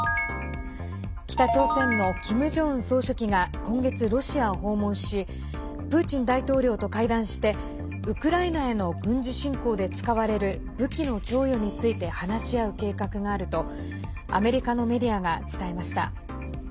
北朝鮮のキム・ジョンウン総書記が今月ロシアを訪問しプーチン大統領と会談してウクライナへの軍事侵攻で使われる武器の供与について話し合う計画があるとアメリカのメディアが伝えました。